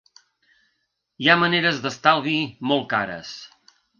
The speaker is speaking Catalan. Hi ha maneres d'estalvi molt cares.